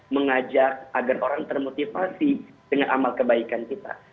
mengajak agar orang termotivasi dengan amal kebaikan kita